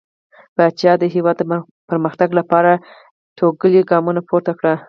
پاچا د هيواد د پرمختګ لپاره ټوکلي ګامونه پورته کړل .